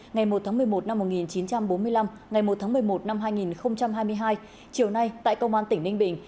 ngày một tháng một mươi một năm một nghìn chín trăm bốn mươi năm ngày một tháng một mươi một năm hai nghìn hai mươi hai chiều nay tại công an tỉnh ninh bình